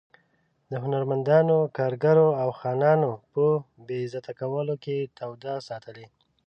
د هنرمندانو، کارګرو او خانانو په بې عزته کولو کې توده ساتلې.